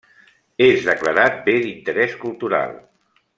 És declarat Bé d'Interès Cultural.